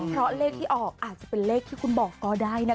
เพราะเลขที่ออกอาจจะเป็นเลขที่คุณบอกก็ได้นะ